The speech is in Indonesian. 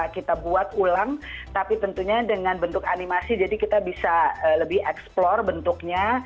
kita buat ulang tapi tentunya dengan bentuk animasi jadi kita bisa lebih eksplor bentuknya